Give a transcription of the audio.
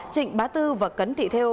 trịnh bá tư và cấn thị thêu